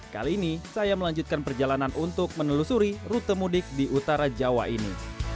kali ini saya melanjutkan perjalanan untuk menelusuri rute mudik di utara jawa ini